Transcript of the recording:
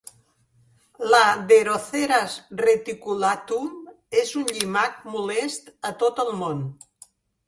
La "Deroceras reticulatum" és un llimac molest a tot al món.